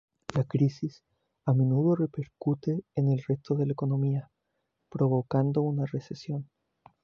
La crisis a menudo repercute en el resto de la economía, provocando una recesión.